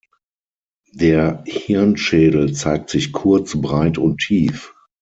Der Hirnschädel zeigt sich kurz, breit und tief.